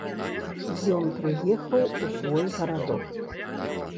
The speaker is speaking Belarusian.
Ён прыехаў у свой гарадок.